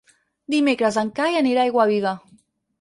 Dimecres en Cai anirà a Aiguaviva.